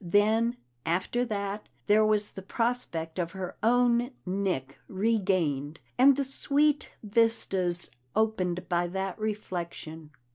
Then after that there was the prospect of her own Nick regained, and the sweet vistas opened by that reflection.